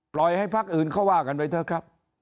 ปล่อยให้พักอื่นเขาว่ากันไปเถอะครับ